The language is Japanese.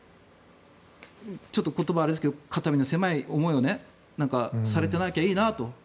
ちょっと言葉はあれですが肩身の狭い思いをされてなきゃいいなと。